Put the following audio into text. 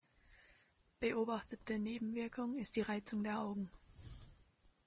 Beobachtete Nebenwirkung ist die Reizung der Augen.